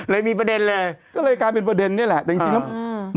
มีประเด็นเลยก็เลยกลายเป็นประเด็นนี่แหละแต่จริงจริงแล้วอืม